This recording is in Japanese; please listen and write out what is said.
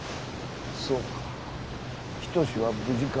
そうか一は無事か。